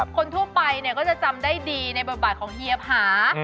คนทั่วไปก็จะจำได้ดีในบทบาทของเฮียผา